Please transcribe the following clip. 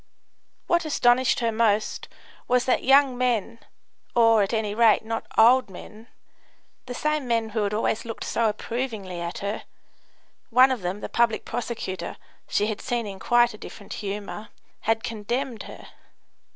What astonished her most was that young men or, at any rate, not old men the same men who always looked so approvingly at her (one of them, the public prosecutor, she had seen in quite a different humour) had condemned her.